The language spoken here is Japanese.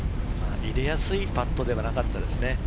入れやすいパットではなかったですね。